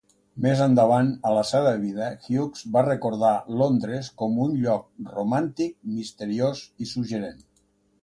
Més endavant a la seva vida, Hughes va recordar Londres com "un lloc romàntic, misteriós i suggerent".